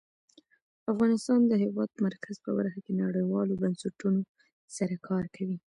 افغانستان د د هېواد مرکز په برخه کې نړیوالو بنسټونو سره کار کوي.